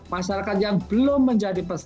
masyarakat yang belum menjadi peserta